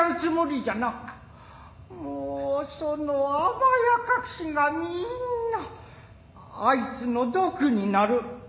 もうその甘やかしが皆あいつの毒になる。